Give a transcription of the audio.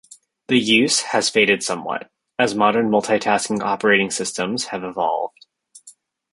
The use has faded somewhat, as modern multitasking operating systems have evolved.